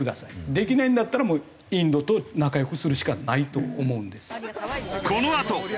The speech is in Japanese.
できないんだったらインドと仲良くするしかないと思うんです。